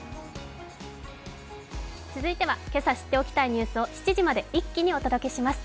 続いては今朝知っておきたいニュースを一気にお届けします。